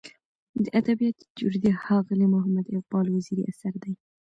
د ادبیاتو تیوري د ښاغلي محمد اقبال وزیري اثر دی.